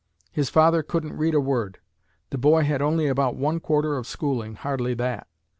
His father couldn't read a word. The boy had only about one quarter of schooling, hardly that.